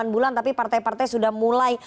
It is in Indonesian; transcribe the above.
delapan bulan tapi partai partai sudah mulai